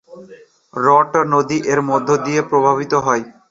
রট নদী এর মধ্য দিয়ে প্রবাহিত হয়।